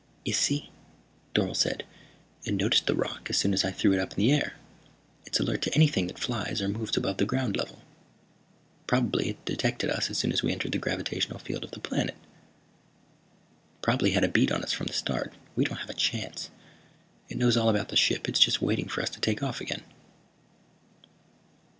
"You see," Dorle said, "it noticed the rock, as soon as I threw it up in the air. It's alert to anything that flies or moves above the ground level. Probably it detected us as soon as we entered the gravitational field of the planet. It probably had a bead on us from the start. We don't have a chance. It knows all about the ship. It's just waiting for us to take off again."